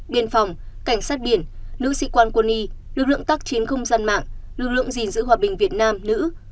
biên phòng cảnh sát biển nữ sĩ quan quân y lực lượng tác chiến không gian mạng lực lượng gìn giữ hòa bình việt nam nữ